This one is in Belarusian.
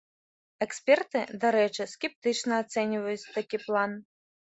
Эксперты, дарэчы, скептычна ацэньваюць такі план.